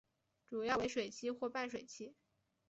主要为水栖或半水栖。